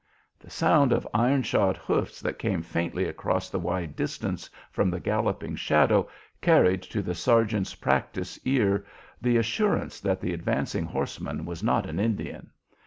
The sound of iron shod hoofs that came faintly across the wide distance from the galloping shadow carried to the sergeant's practised ear the assurance that the advancing horseman was not an Indian.